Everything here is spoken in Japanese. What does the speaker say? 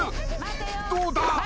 どうだ？